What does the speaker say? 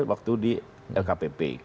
waktu di lkpp